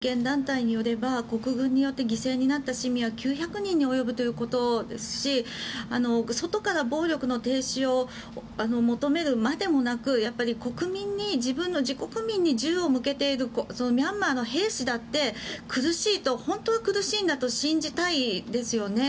現地のミャンマーの人権団体によれば国軍によって犠牲になった市民は９００人に及ぶということですし外から暴力の停止を求めるまでもなくやっぱり国民に自分の自国民に銃を向けているミャンマーの兵士だって苦しいと、本当は苦しいんだと信じたいですよね。